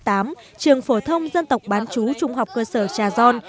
trường phổ thông dân tộc bán chú trung học cơ sở trà gion